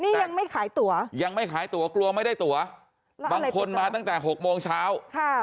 นี่ยังไม่ขายตัวยังไม่ขายตัวกลัวไม่ได้ตัวบางคนมาตั้งแต่๖โมงเช้า